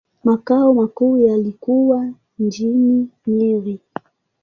Makao makuu yalikuwa mjini Nyeri.